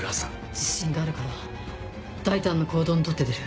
自信があるから大胆な行動に取って出る。